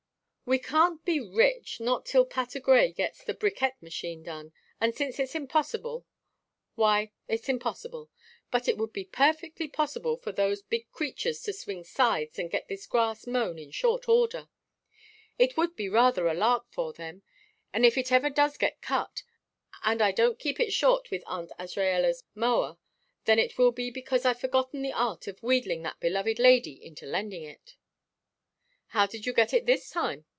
"We can't be rich not till Patergrey gets the bricquette machine done and since it's impossible, why, it's impossible. But it would be perfectly possible for those big creatures to swing scythes and get this grass mown in short order it would be rather a lark for them. And if it ever does get cut, and I don't keep it short with Aunt Azraella's mower, then it will be because I've forgotten the art of wheedling that beloved lady into lending it." "How did you get it this time?"